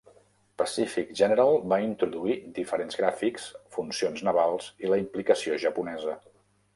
"Pacific General" va introduir diferents gràfics, funcions navals i la implicació japonesa.